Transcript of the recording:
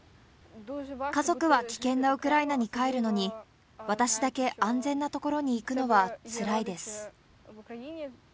家族は危険なウクライナに帰るのに、私だけ安全なところに行くのはつらいです。